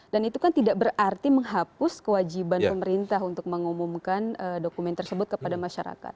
dan itu kan tidak berarti menghapus kewajiban pemerintah untuk mengumumkan dokumen tersebut kepada masyarakat